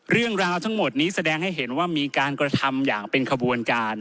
เรื่องราวทั้งหมดนี้แสดงให้เห็นว่ามีการกระทำอย่างเป็นขบวนการ